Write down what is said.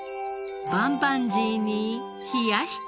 バンバンジーに冷やし中華。